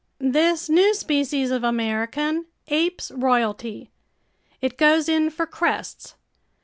This new species of American apes royalty. It goes in for crests.